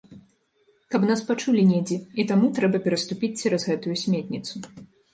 Каб нас пачулі недзе, і таму трэба пераступіць цераз гэтую сметніцу.